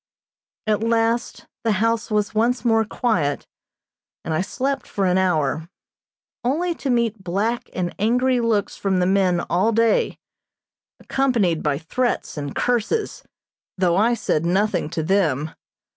At last the house was once more quiet, and I slept for an hour, only to meet black and angry looks from the men all day, accompanied by threats and curses, though I said nothing to them.